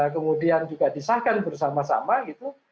kemudian juga disahkan bersama sama gitu